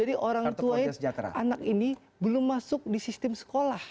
jadi orang tua anak ini belum masuk di sistem sekolah